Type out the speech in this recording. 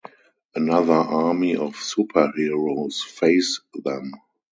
Another army of superheroes face them.